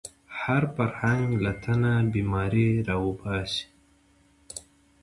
فرهنګ له تنه بیماري راوباسي